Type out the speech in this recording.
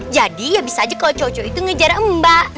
jadi ya bisa aja kalau cowok cowok itu ngejar mbak